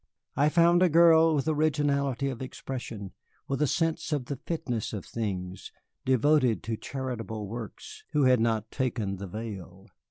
I found a girl with originality of expression, with a sense of the fitness of things, devoted to charitable works, who had not taken the veil.